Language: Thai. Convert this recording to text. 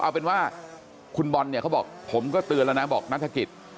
เอาเป็นว่าคุณบอลเนี่ยเขาบอกผมก็เตือนแล้วนะบอกนัฐกิจ